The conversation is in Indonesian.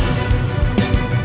ya kita berhasil